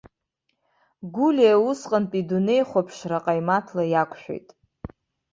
Гәлиа усҟантәи идунеихәаԥшра ҟаимаҭла иақәшәеит.